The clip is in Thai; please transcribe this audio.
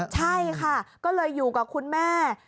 ใช่ค่ะก็เลยอยู่กับคุณแม่